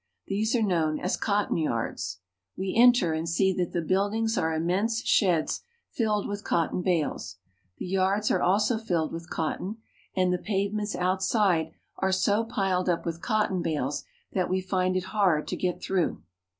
These are known as cotton yards. We enter, and see that the buildings are immense sheds filled with cotton bales. The yards are also filled with 142 THE SOUTH. cotton, and the pavements outside are so piled up with cotton bales that we find it hard to get through.